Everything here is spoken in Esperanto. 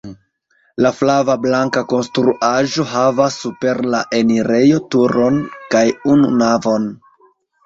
La flava-blanka konstruaĵo havas super la enirejo turon kaj unu navon.